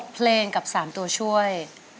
เพลงกับ๓ตัวช่วย